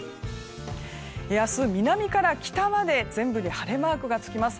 明日、南から北まで全部で晴れマークがつきます。